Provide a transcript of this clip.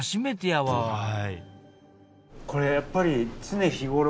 はい。